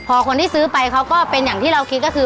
พอคนที่ซื้อไปเขาก็เป็นอย่างที่เราคิดก็คือ